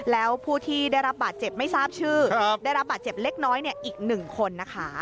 แล้วผู้ที่ได้รับบาดเจ็บไม่ทราบชื่อได้รับบาดเจ็บเล็กน้อยอีก๑คนนะคะ